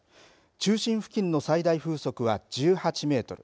中心付近の最大風速は１８メートル